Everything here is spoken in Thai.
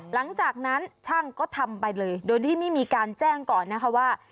หลังจากนั้นช่างก็ทำไปเลยโดยที่ไม่มีการแจ้งก่อนนะคะว่า